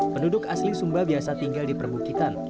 penduduk asli sumba biasa tinggal di perbukitan